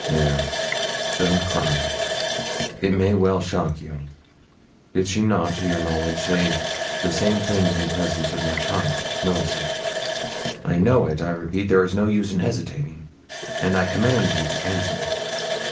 'There, don't cry; it may well shock you. Did she not, to your knowledge, say the same things in presence of my child Millicent? I know it, I repeat there is no use in hesitating; and I command you to answer.'